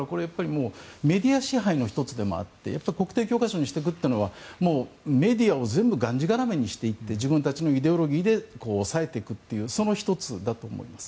メディア支配の１つでもあって国定教科書にしていくというのはメディアをがんじがらめにして自分たちのイデオロギーで抑えていくというその１つだと思うんです。